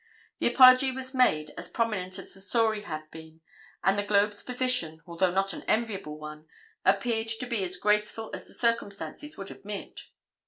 The apology was made as prominent as the story had been and the Globe's position, although not an enviable one, appeared to be as graceful as the circumstances would admit.